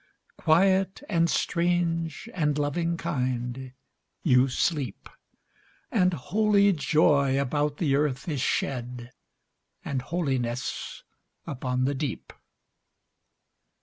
Quiet, and strange, and loving kind, you sleep. And holy joy about the earth is shed; And holiness upon the deep.